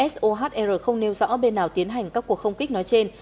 sohr không nêu rõ bên nào tiến hành các cuộc không kích nói trên